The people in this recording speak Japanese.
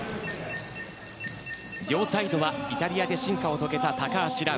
両サイドはイタリアで進化を遂げた高橋藍。